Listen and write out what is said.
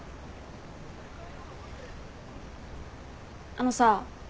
あのさ。